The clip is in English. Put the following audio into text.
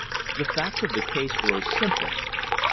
The facts of the case were simple.